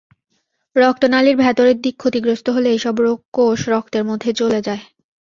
রক্তনালির ভেতরের দিক ক্ষতিগ্রস্ত হলে এসব কোষ রক্তের মধ্যে চলে যায়।